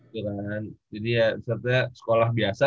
jadi ya sepertinya sekolah biasa